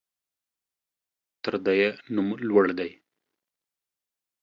تر ده يې نوم لوړ دى.